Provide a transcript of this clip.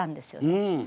うん。